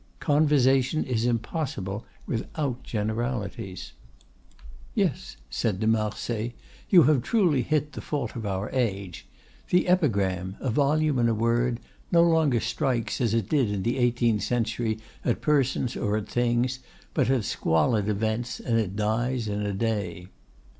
Conversation is impossible without generalities." "Yes," said de Marsay, "you have truly hit the fault of our age. The epigram—a volume in a word—no longer strikes, as it did in the eighteenth century, at persons or at things, but at squalid events, and it dies in a day."